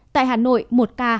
tại hà nội một ca